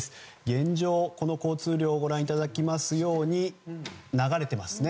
現状、この交通量をご覧いただきますように流れていますね。